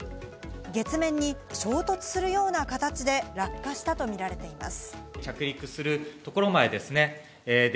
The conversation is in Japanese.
月面に衝突するような形で落下したとみられています。